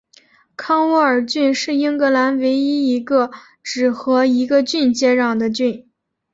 康沃尔郡是英格兰唯一一个只和一个郡接壤的郡。